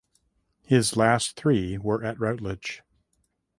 His last three were at Routledge.